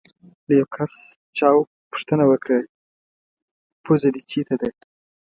له یو کس چا پوښتنه وکړه: پوزه دې چیتې ده؟